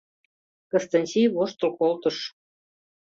— Кыстинчи воштыл колтыш: